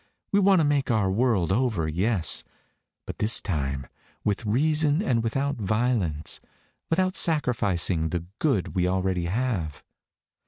We want to make our world over, yes. But this time with reason and without violence without sacrificing the good we already have."